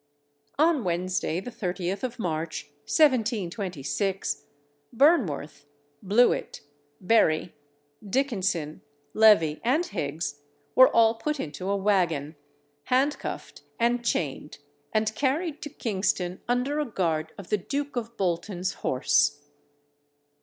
On Wednesday, the 30th of March, 1726, Burnworth, Blewit, Berry Dickenson, Levee, and Higgs, were all put into a waggon, handcuffed and chained, and carried to Kingston under a guard of the Duke of Bolton's horse.